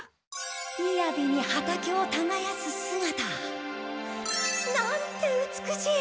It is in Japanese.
みやびに畑をたがやすすがた。なんて美しい！